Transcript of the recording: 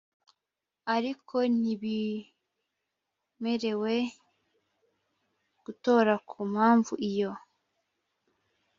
ariko ntibimerewe gutora ku mpamvu iyo